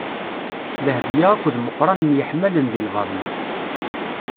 Dehbiya akked Meqran myeḥmalen di lbaḍna.